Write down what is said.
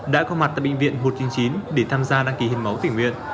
đã có mặt tại bệnh viện một trăm chín mươi chín để tham gia đăng ký hiến máu tỉnh nguyện